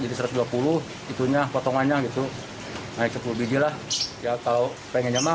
itu nya potongannya gitu hai sepuluh bijilah ya tahu pengennya maksudnya kalau pengennya maksudnya